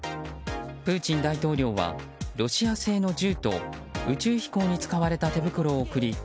プーチン大統領はロシア製の銃と宇宙飛行に使われた手袋を贈り